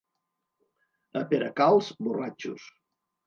A Peracalç, borratxos.